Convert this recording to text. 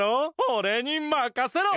おれにまかせろ。